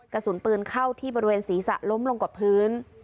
กระสุนปืนเข้าที่บริเวณศีรษะล้มลงกับพื้น